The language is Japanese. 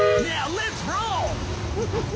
ウフフフ！